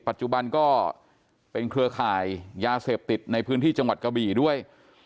ปัจจุบันก็เป็นเครือข่ายยาเสพติดในพื้นที่จังหวัดกะบี่ด้วย